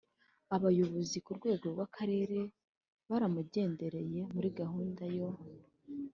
Abayobozi ku rwego rw’Akarere baramugendereye muri gahunda yo